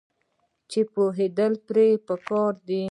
چې پوهیدل پرې پکار دي.